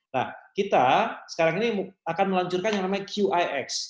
nah kita sekarang ini akan melancurkan yang namanya qix